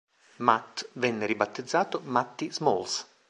Matt venne ribattezzato Matty Smalls.